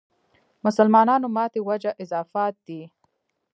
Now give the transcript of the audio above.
مسلمانانو ماتې وجه اضافات دي.